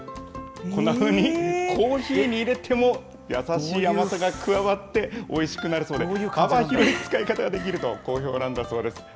こんなふうにコーヒーに入れても、優しい甘さが加わっておいしくなるそうで、幅広い使い方ができると好評なんだそうです。